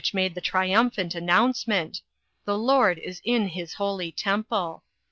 365 made the triumphant announcement: "THE LOUD is IN HIS HOLY TEMPLE."